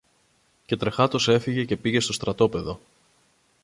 Και τρεχάτος έφυγε και πήγε στο στρατόπεδο.